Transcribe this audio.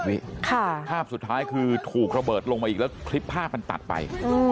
นี่ภาพสุดท้ายคือถูกระเบิดลงมาอีกแล้วคลิปภาพมันตัดไป